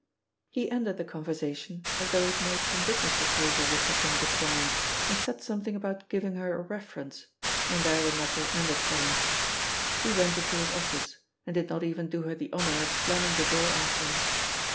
He ended the conversation as though he had made some business proposal which had been declined, and said something about giving her a reference, and there the matter ended for him. He went into his office, and did not even do her the honour of slamming the door after him.